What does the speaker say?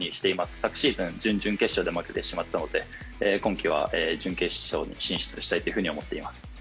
昨シーズン、準々決勝で負けてしまったので今季は準決勝に進出したいと思っています。